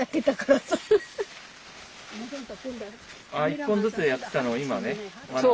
１本ずつやってたのを今ね学んで。